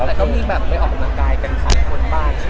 เออแล้วตอนนี้ไม่ออกกำลังกายแต่อยู่ที่บ้านตรงกัน